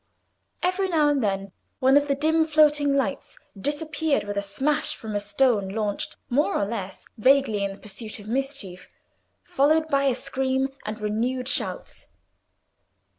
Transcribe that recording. Every now and then one of the dim floating lights disappeared with a smash from a stone launched more or less vaguely in pursuit of mischief, followed by a scream and renewed shouts.